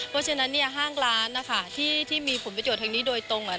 เพราะฉะนั้นห้างร้านที่มีผลประโยชน์ทางนี้โดยตรง